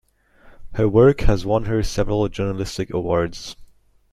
Her work has won her several journalistic awards.